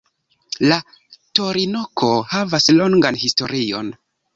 La torinoko havas longan historion.